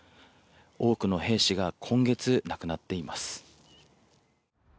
多くの兵士が今月、亡くなっています。